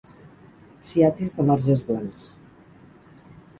Ciatis de marges blancs.